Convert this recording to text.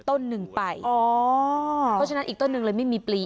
เพราะฉะนั้นอีกต้นนึงไว้ไม่มีปลี